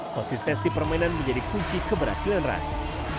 konsistensi permainan menjadi kunci keberhasilan rans